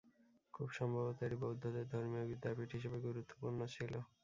খুব সম্ভবত এটি বৌদ্ধদের ধর্মীয় বিদ্যাপীঠ হিসেবে গুরুত্বপূর্ণ ছিল।